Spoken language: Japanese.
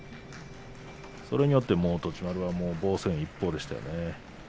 それによって栃丸は防戦一方でしたね。